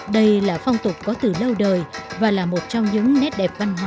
đây là phong tục có từ lâu đời và là một trong những nét đẹp văn hóa